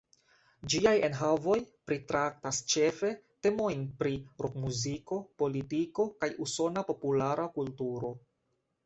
Ĝiaj enhavoj pritraktas ĉefe temojn pri rokmuziko, politiko, kaj usona populara kulturo.